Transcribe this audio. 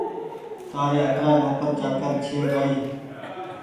تآريِ اَترآ نوڪر چآڪر ڇي ڪآئي